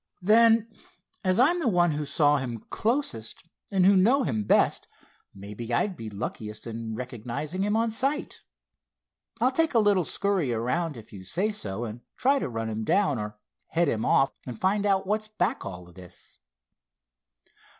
"Then, as I'm the one who saw him closest, and who know him best, maybe I'd be luckiest in recognizing him on sight. I'll take a little scurry around, if you say so, and try to run him down, or head him off, and find out what's back all this."